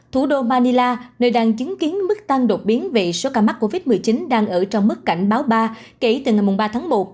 thủ đô manila nơi đang chứng kiến mức tăng đột biến về số ca mắc covid một mươi chín đang ở trong mức cảnh báo ba kể từ ngày ba tháng một